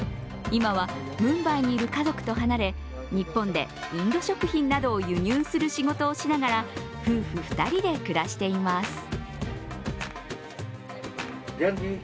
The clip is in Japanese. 今はムンバイにいる家族と離れ日本でインド食品などを輸入する仕事をしながら夫婦２人で暮らしています。